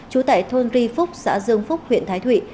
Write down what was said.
trú tại thôn ri phúc xã dương phúc huyện thái thụy